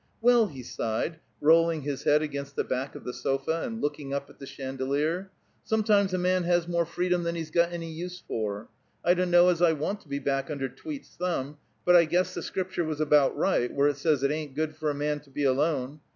"Well," he sighed, rolling his head against the back of the sofa, and looking up at the chandelier, "sometimes a man has more freedom than he's got any use for. I don't know as I want to be back under Tweet's thumb, but I guess the Scripture was about right where it says it ain't good for a man to be alone.